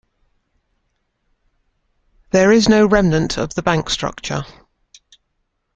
There is no remnant of the bank structure.